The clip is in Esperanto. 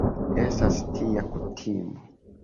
Estas tia kutimo.